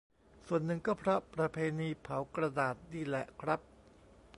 ส่วนหนึ่งก็เพราะประเพณีเผากระดาษนี่แหละครับ